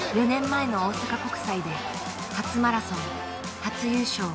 ４年前の大阪国際で初マラソン初優勝。